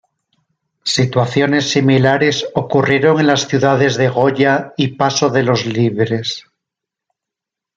Situaciones similares ocurrieron en las ciudades de Goya y Paso de los Libres.